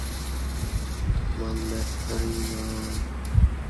Шум волн напоминал танец прибоя под лунным светом.